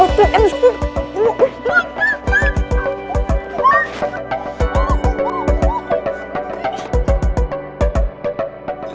oh tuh emis tuh